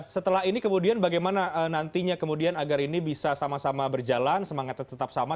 setelah ini kemudian bagaimana nantinya kemudian agar ini bisa sama sama berjalan semangatnya tetap sama